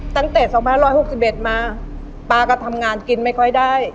ตั้งแต่๒๑๖๑มาป้าก็ทำงานกินไม่ค่อยได้